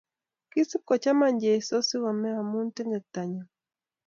Kisip kochama Jeso si kome amu tengektonyun.